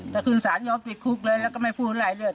แต่คุณสารยอมติดคุกเลยแล้วก็ไม่พูดอะไรเลย